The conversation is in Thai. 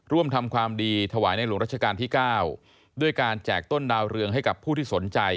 ทำความดีถวายในหลวงรัชกาลที่๙ด้วยการแจกต้นดาวเรืองให้กับผู้ที่สนใจ